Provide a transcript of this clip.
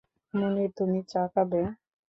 মুনির, তুমি চা খাবে?